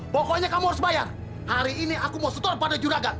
pokoknya kamu harus bayar hari ini aku mau setor pada juragan